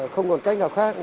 không còn cách nào khác